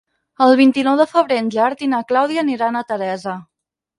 El vint-i-nou de febrer en Gerard i na Clàudia aniran a Teresa.